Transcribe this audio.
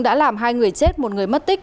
đã làm hai người chết một người mất tích